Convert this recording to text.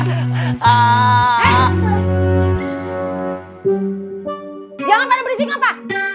jangan pada berisik apa